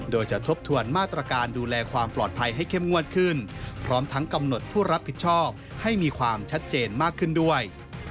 โดยจะทบทวนมาตรการดูแลความปลอดภัยให้เข้มงวดขึ้นพร้อมทั้งกำหนดผู้รับผิดชอบให้มีความชัดเจนมากขึ้นด้วย